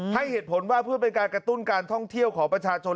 ให้เหตุผลว่าเพื่อเป็นการกระตุ้นการท่องเที่ยวของประชาชน